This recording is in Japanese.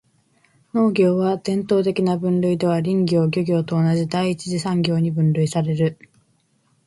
農業は、伝統的な分類では林業・漁業と同じ第一次産業に分類される。